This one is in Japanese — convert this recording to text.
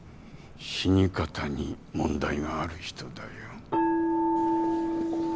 死に方に問題がある人だよ。